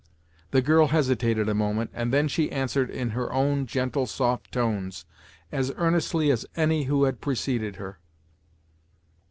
The girl hesitated a moment, and then she answered in her own gentle, soft tones, as earnestly as any who had preceded her.